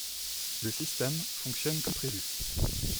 Le système fonctionne comme prévu.